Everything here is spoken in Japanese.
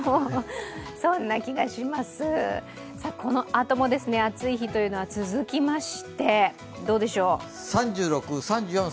このあとも暑い日は続きまして、どうでしょう？